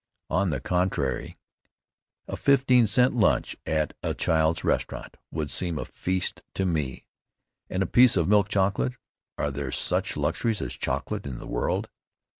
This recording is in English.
On the contrary, a fifteen cent lunch at a Child's restaurant would seem a feast to me, and a piece of milk chocolate are there such luxuries as chocolate in the world?